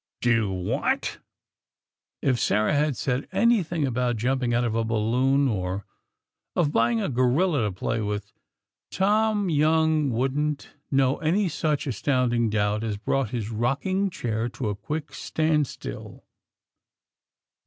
"Do what?" If Sarah had said anything about jumping out of a balloon, or of buying a gorilla to play with, Tom Young wouldn't know any such astounding doubt as brought his rocking chair to a quick standstill.